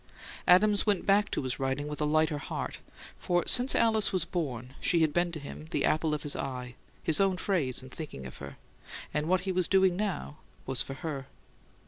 Adams went back to his writing with a lighter heart; for since Alice was born she had been to him the apple of his eye, his own phrase in thinking of her; and what he was doing now was for her.